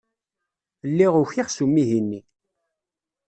Lliɣ ukiɣ s umihi-nni.